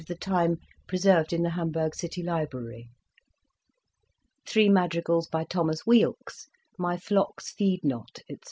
of the time preserved in the Hamburg City Library. Three madrigals by Thomas Weelkes, "My flocks feed not," etc.